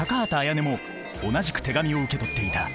やねも同じく手紙を受け取っていた